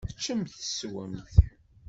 Ččemt teswemt.